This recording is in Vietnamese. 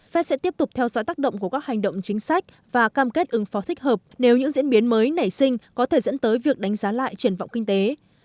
phép sẽ tiếp tục theo dõi tác động của các hành động chính sách và cam kết ứng phó thích hợp nếu những diễn biến mới nảy sinh có thể dẫn tới việc đánh giá lại triển vọng kinh tế